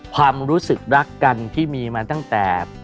ความรู้สึกรักกันที่มีมาตั้งแต่